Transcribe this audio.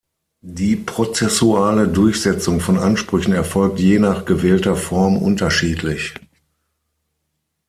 Die prozessuale Durchsetzung von Ansprüchen erfolgt je nach gewählter Form unterschiedlich.